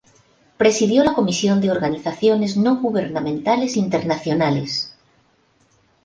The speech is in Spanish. Presidió la Comisión de Organizaciones No Gubernamentales Internacionales.